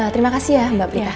terima kasih ya mbak prita